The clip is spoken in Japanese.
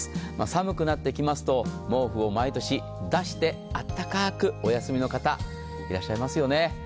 寒くなってきますと毛布を毎年、出して、あったかくお休みの方、いらっしゃいますよね。